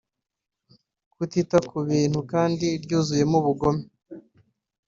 kutita ku bintu kandi ryuzuyemo ubugome